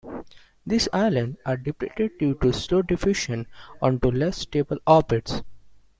These islands are depleted due to slow diffusion onto less stable orbits.